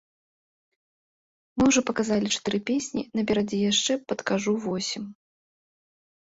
Мы ўжо паказалі чатыры песні, наперадзе яшчэ, падкажу, восем.